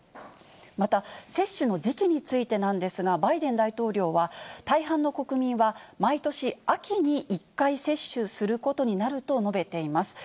また、接種の時期についてなんですが、バイデン大統領は、大半の国民は、毎年秋に１回接種することになると述べています。